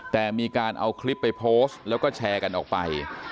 แต่มีการเอาคลิปไปโพสต์แล้วก็แชร์กันออกไป